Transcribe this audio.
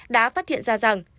đã phát hiện ra rằng